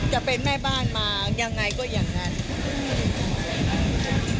จะเป็นแม่บ้านมายังไงก็อย่างนั้น